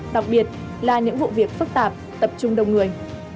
đặc biệt là những vụ việc phức tạp tập trung đông người